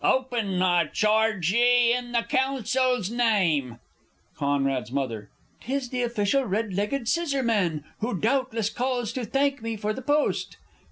_ Open, I charge ye. In the Council's name! C.'s M. 'Tis the Official Red legged Scissorman, Who doubtless calls to thank me for the post.